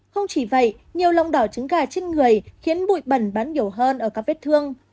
không chỉ vậy nhiều lòng đảo trứng gà trên người khiến bụi bẩn bắn nhiều hơn ở các vết thương